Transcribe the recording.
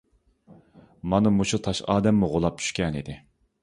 مانا مۇشۇ تاش ئادەممۇ غۇلاپ چۈشكەنىدى.